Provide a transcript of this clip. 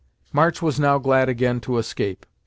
March was now glad again to escape.